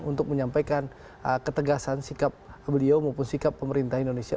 untuk menyampaikan ketegasan sikap beliau maupun sikap pemerintah indonesia